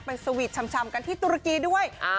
เป็นสวีทชำกันที่ตุรกีด้วย